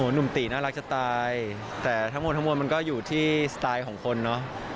หนุ่มตีน่ารักจะตายแต่ทั้งหมดทั้งมวลมันก็อยู่ที่สไตล์ของคนเนอะ